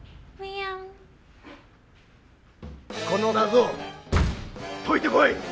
この謎解いてこい！